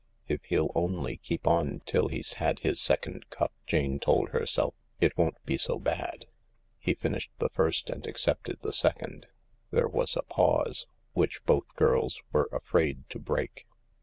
" If he'll only keep on till he's had his second cup," Jane told herself, "it won't be so bad." He finished the first and accepted the second. There was a pause, which both girls were afraid to break.